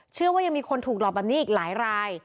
เชื่อว่ายังมีคนถูกหลอกแบบนี้อีกหลายราย